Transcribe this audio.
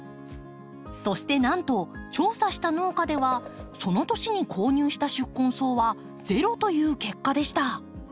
そしてなんと調査した農家ではその年に購入した宿根草は「０」という結果でした。